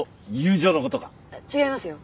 違いますよ。